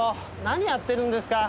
何やってるんですか？